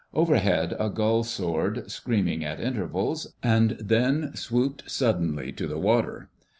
Overhead a gull soared, screaming at intervals, and then swooped suddenly to the water.